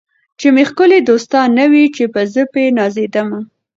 چي مي ښکلي دوستان نه وي چي به زه په نازېدمه